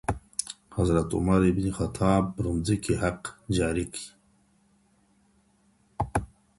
حضرت عمر بن خطاب پر مځکي حق جاري کړی.